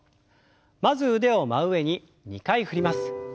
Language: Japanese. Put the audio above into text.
まず腕を真上に２回振ります。